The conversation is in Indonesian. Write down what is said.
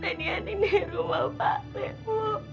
penyanyi rumah pak